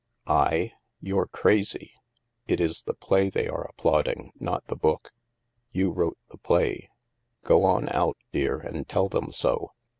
I? You're crazy. It is the play they are ap plauding, not the book. You wrote the play. Go on out, dear, and tell them so.